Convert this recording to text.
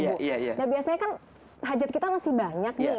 nah biasanya kan hajat kita masih banyak nih